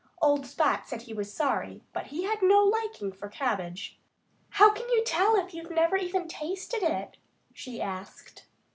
Old Spot said he was sorry; but he had no liking for cabbage. "How can you tell if you've never tasted it?" she asked.